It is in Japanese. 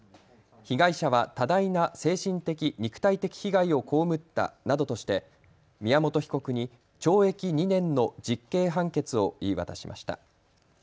被害者は多大な精神的、肉体的被害を被ったなどとして宮本被告に懲役２年の実刑判決を言い渡しました。